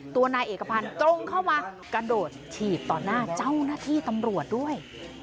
ตัวนายเอกพันธ์ตรงเข้ามากระโดดถีบต่อหน้าเจ้าหน้าที่ตำรวจด้วย